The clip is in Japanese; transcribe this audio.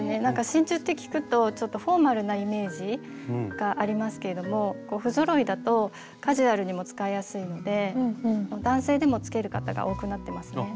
真珠って聞くとちょっとフォーマルなイメージがありますけれども不ぞろいだとカジュアルにも使いやすいので男性でも着ける方が多くなってますね。